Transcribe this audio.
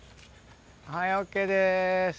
はいＯＫです。